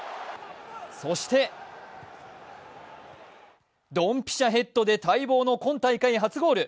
そしてドンピシャヘッドで待望の今大会初ゴール。